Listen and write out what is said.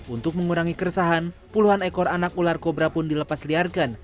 untuk mengurangi keresahan puluhan ekor anak ular kobra pun dilepas liarkan